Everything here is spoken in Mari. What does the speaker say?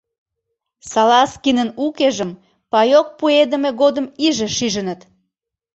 Салазкинын укежым паек пуэдыме годым иже шижыныт.